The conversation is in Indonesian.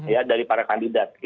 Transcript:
ya dari para kandidat